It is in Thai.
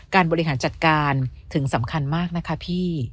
บริหารจัดการถึงสำคัญมากนะคะพี่